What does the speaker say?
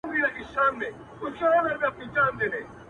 وېښته مي سپین دي په عمر زوړ یم -